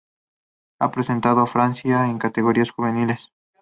Ha representado a Francia en categorías juveniles.